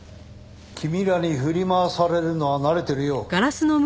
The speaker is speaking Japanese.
君らに振り回されるのは慣れてるよ。